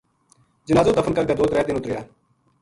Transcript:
جنازو دفن کر کے دو ترے دن اُت رہیا